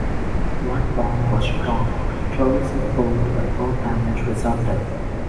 One bomb was dropped close aboard but no damage resulted.